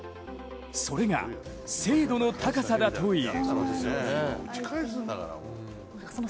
それが精度の高さだという。